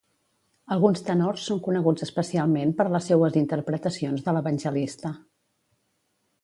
Alguns tenors són coneguts especialment per les seues interpretacions de l'Evangelista.